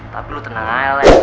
tapi lo tenang ya lex